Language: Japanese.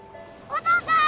お父さん！